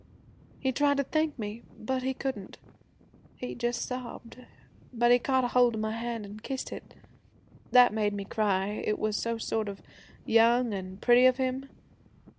He tried to thank me but he couldn't, he just sobbed, but he caught ahold of my hand an' kissed it. That made me cry. It was so sort of young an' pretty of him.